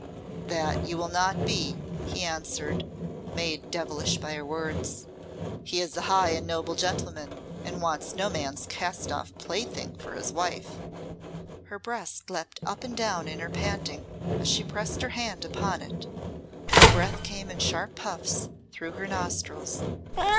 "That you will not be," he answered, made devilish by her words. "He is a high and noble gentleman, and wants no man's cast off plaything for his wife." Her breast leaped up and down in her panting as she pressed her hand upon it; her breath came in sharp puffs through her nostrils.